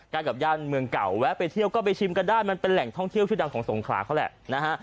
กับย่านเมืองเก่าแวะไปเที่ยวก็ไปชิมกันได้มันเป็นแหล่งท่องเที่ยวชื่อดังของสงขลาเขาแหละนะฮะ